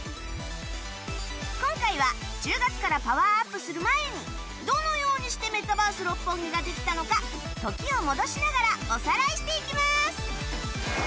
今回は１０月からパワーアップする前にどのようにしてメタバース六本木ができたのか時を戻しながらおさらいしていきます！